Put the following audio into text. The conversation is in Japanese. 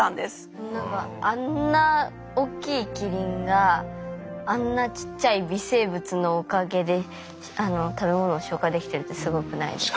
何かあんな大きいキリンがあんなちっちゃい微生物のおかげで食べ物を消化できてるってすごくないですか。